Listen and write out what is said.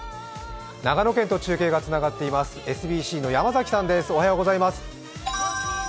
長野県と中継がつながっています、ＳＢＣの山崎さんです。